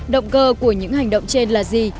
động cơ của những hành động trên là gì